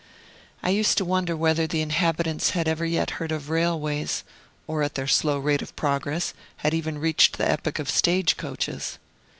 I used to wonder whether the inhabitants had ever yet heard of railways, or, at their slow rate of progress, had even reached the epoch of stage coaches.